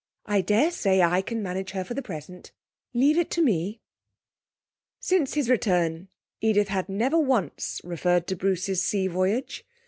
'I daresay I can manage her for the present. Leave it to me.' Since his return, Edith had never once referred to Bruce's sea voyage.